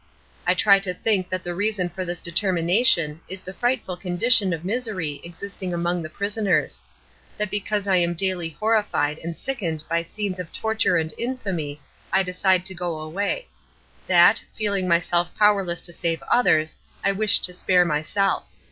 I try to think that the reason for this determination is the frightful condition of misery existing among the prisoners; that because I am daily horrified and sickened by scenes of torture and infamy, I decide to go away; that, feeling myself powerless to save others, I wish to spare myself.